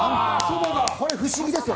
これ不思議ですよね。